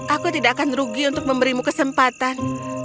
aku tidak akan rugi untuk memberimu kesempatan